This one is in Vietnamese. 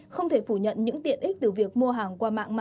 không thể phủ nhận những tiện ích từ việc mua hàng